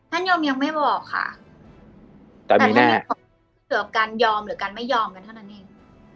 ท่านยอมยังไม่บอกค่ะแต่มีแน่แต่มีความเกี่ยวกับการยอมหรือการไม่ยอมกันเท่านั้นเอง